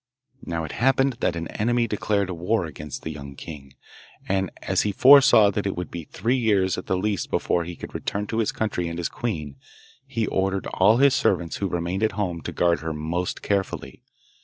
Now it happened that an enemy declared war against the young king; and, as he foresaw that it would be three years at the least before he could return to his country and his queen, he ordered all his servants who remained at home to guard her most carefully.